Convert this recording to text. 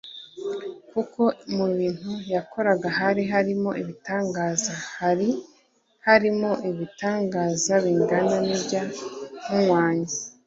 kuko mu bintu yakoraga hari harimo ibitangaza hari harimo ibitangaza bingana n’ibya Munywanyi